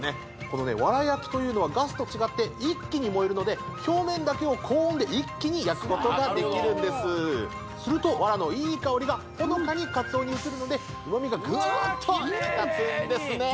このね藁焼きというのはガスと違って一気に燃えるので表面だけを高温で一気に焼くことができるんですすると藁のいい香りがほのかに鰹にうつるのでうま味がグーッと引き立つんですね